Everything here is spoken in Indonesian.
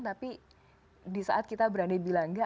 tapi di saat kita berani bilang enggak